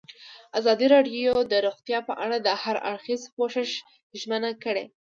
ازادي راډیو د روغتیا په اړه د هر اړخیز پوښښ ژمنه کړې.